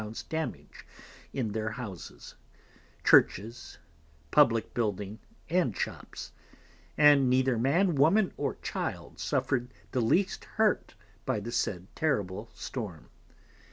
_ damage in their Houses, Churches, Publick Building and Shops, and neither Man, Woman or Child suffered the least hurt by the said Terrible Storm.